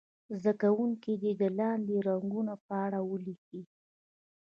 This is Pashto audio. زده کوونکي دې د لاندې رنګونو په اړه ولیکي.